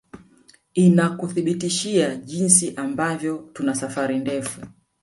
Inakuthibitishia jinsi ambavyo tuna safari ndefu